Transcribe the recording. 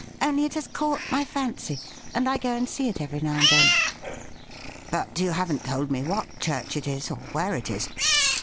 Only it has caught my fancy, and I go and see it every now and then.' 'But you haven't told me what chvu ch it is or where it is.'